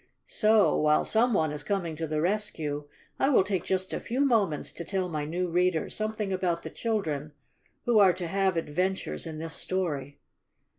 So, while some one is coming to the rescue, I will take just a few moments to tell my new readers something about the children who are to have adventures in this story.